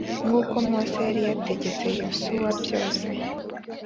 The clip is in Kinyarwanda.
nk uko Mose yari yategetse Yosuwa byose